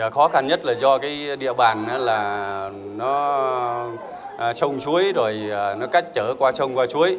khó khăn nhất là do địa bàn trông chuối cắt chở qua trông qua chuối